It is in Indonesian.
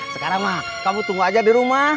sekarang mah kamu tunggu aja di rumah